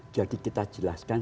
jadi kita jelaskan